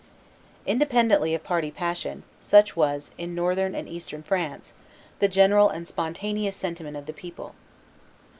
Independently of party passion, such was, in Northern and Eastern France, the general and spontaneous sentiment of the people.